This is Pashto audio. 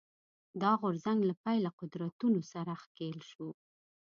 دا غورځنګ له پیله قدرتونو سره ښکېل شو